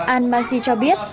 al mansi cho biết